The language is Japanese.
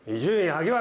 萩原！